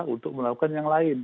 untuk melakukan yang lain